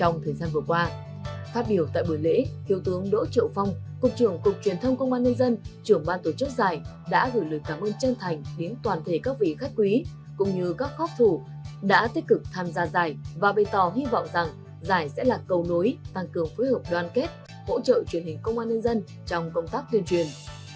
nhiều tại buổi lễ thiếu tướng đỗ trậu phong cục trưởng cục truyền thông công an liên dân trưởng ban tổ chức giải đã gửi lời cảm ơn chân thành đến toàn thể các vị khách quý cũng như các khóc thủ đã tích cực tham gia giải và bày tỏ hy vọng rằng giải sẽ là cầu nối tăng cường phối hợp đoàn kết hỗ trợ truyền hình công an liên dân trong công tác tuyên truyền